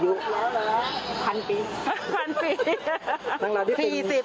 พูดพันปี